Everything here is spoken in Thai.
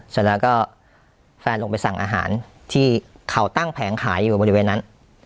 เสร็จแล้วก็แฟนลงไปสั่งอาหารที่เขาตั้งแผงขายอยู่บริเวณนั้น